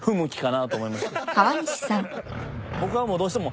僕がもうどうしても。